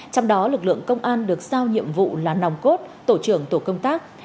trong đó lực lượng công an được sao nhiệm vụ là nòng cốt tổ trưởng tổ công tác